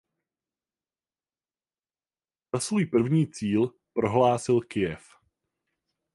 Za svůj první cíl prohlásil Kyjev.